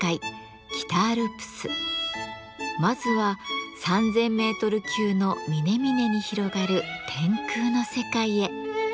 まずは３，０００メートル級の峰々に広がる天空の世界へ。